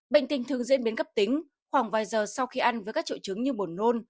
bệnh tình thường diễn biến cấp tính khoảng vài giờ sau khi ăn với các triệu chứng như buồn nôn